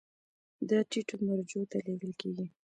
دا ټیټو مرجعو ته لیږل کیږي.